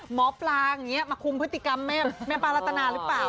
หมอปลาอย่างนี้มาคุมพฤติกรรมแม่ป๊ารัตนาหรือเปล่า